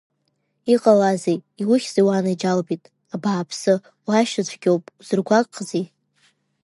Иҟалазеи, иухьзеи уанаџьалбеит, абааԥсы уаашьа цәгьоуп, узыргәаҟзеи?